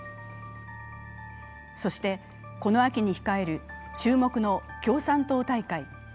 そして、この秋に控える注目の共産党大会。